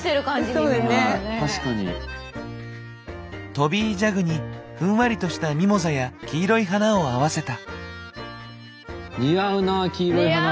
トビージャグにふんわりとしたミモザや黄色い花を合わせた。